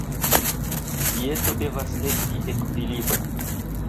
Dieto devas esti ekvilibra.